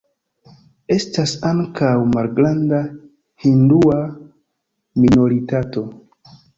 Estas ankaŭ malgranda hindua minoritato.